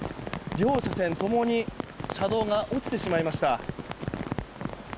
両車線共に車道が落ちてしまいました。